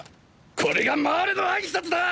これがマーレの挨拶だ！！